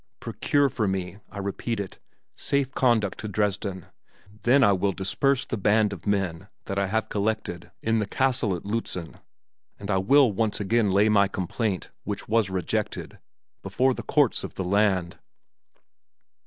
Procure for me, I repeat it, safe conduct to Dresden; then I will disperse the band of men that I have collected in the castle at Lützen and I will once again lay my complaint, which was rejected, before the courts of the land."